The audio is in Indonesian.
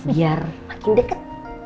biar makin dekat